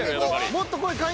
もっとこい！